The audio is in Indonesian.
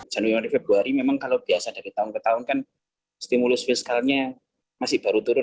januari februari memang kalau biasa dari tahun ke tahun kan stimulus fiskalnya masih baru turun